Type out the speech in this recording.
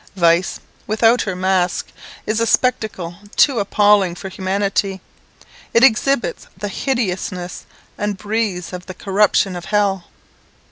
Vice, without her mask, is a spectacle too appalling for humanity; it exhibits the hideousness, and breathes of the corruption of hell.